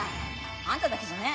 あんただけじゃねえ。